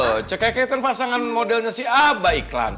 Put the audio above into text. oh cekai kekaitan pasangan modelnya si abah iklan